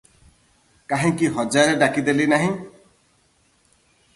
କାହିଁକି ହଜାରେ ଡାକିଦେଲି ନାହିଁ?